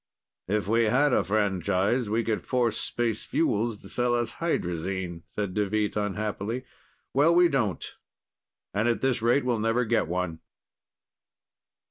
"If we had a franchise, we could force Space Fuels to sell us hydrazine," said Deveet unhappily. "Well, we don't. And, at this rate, we'll never get one."